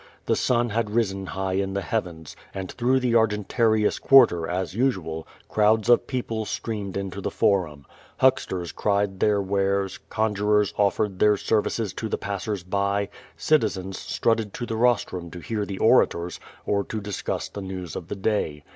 The sun had risen high in the heavens, and through the Argentarius quar ter, as usual, crowds of people streamed into the Formn. Hucksters cried their wares, conjurers offered their services to the passers by, citizens strutted to the rostrum to hear the orators, or to discuss the news of the day.